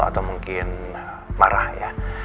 atau mungkin marah ya